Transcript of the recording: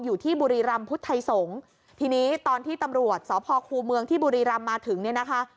อยู่ที่บุรีรำพุทธไทยสงฆ์ทีนี้ตอนที่ตำรวจสพคูเมืองที่บุรีรำมาถึงเนี่ยนะคะ